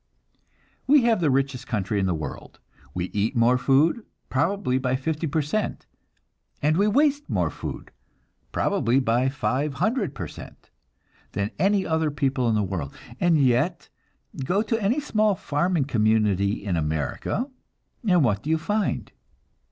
We have the richest country in the world; we eat more food, probably by 50 per cent, and we waste more food, probably by 500 per cent, than any other people in the world; and yet, go to any small farming community in America, and what do you find?